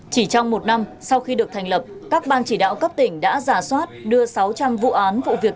chỉ trong một năm sau khi được thành lập các ban chỉ đạo cấp tỉnh đã giả soát đưa sáu trăm linh vụ án vụ việc